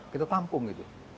kita tampung gitu